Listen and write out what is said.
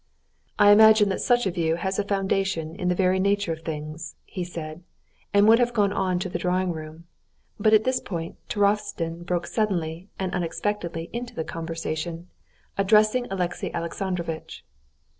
"I imagine that such a view has a foundation in the very nature of things," he said, and would have gone on to the drawing room. But at this point Turovtsin broke suddenly and unexpectedly into the conversation, addressing Alexey Alexandrovitch.